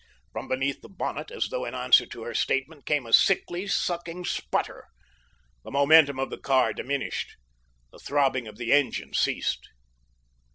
From beneath the bonnet, as though in answer to her statement, came a sickly, sucking sputter. The momentum of the car diminished. The throbbing of the engine ceased.